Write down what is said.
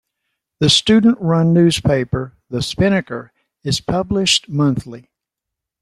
The student-run newspaper "The Spinnaker" is published monthly.